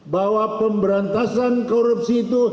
bahwa pemberantasan korupsi itu